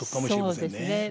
そうですね。